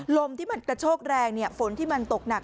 ลมที่มันกระโชกแรงฝนที่มันตกหนัก